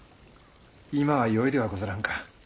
今はよいではござらんか。